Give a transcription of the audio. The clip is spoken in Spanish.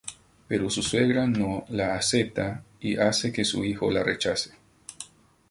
Pero su suegra no la acepta y hace que su hijo la rechace.